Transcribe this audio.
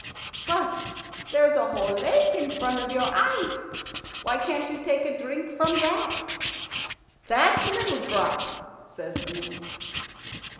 "But there's a whole lake in front of your eyes. Why can't you take a drink from that?" "That little drop!" says the man.